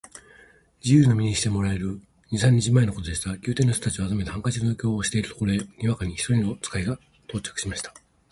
自由の身にしてもらえる二三日前のことでした。宮廷の人たちを集めて、ハンカチの余興をしているところへ、にわかに一人の使が到着しました。